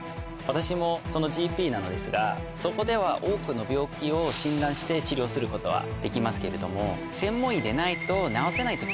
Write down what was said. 私もそのＧＰなのですがそこでは多くの病気を診断して治療することはできますけれども。